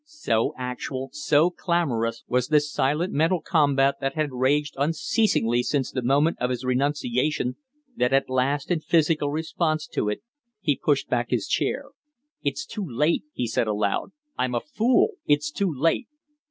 So actual, so clamorous was this silent mental combat that had raged unceasingly since the moment of his renunciation that at last in physical response to it he pushed back his chair. "It's too late!" he said, aloud. "I'm a fool. It's too late!"